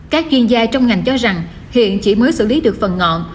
các chuyên gia trong ngành cho rằng hiện chỉ mới xử lý được phần ngọn